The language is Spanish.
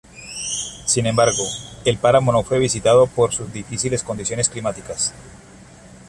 Sin embargo, el páramo no fue visitado por sus difíciles condiciones climáticas.